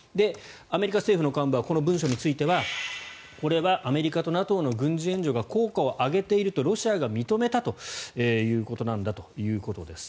アメリカ政府の幹部はこの文書についてはこれはアメリカとＮＡＴＯの軍事援助が効果を上げているとロシアが認めたということなんだということです。